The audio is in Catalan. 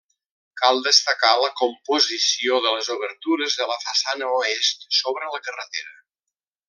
Cal destacar la composició de les obertures de la façana oest sobre la carretera.